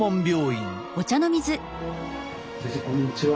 先生こんにちは。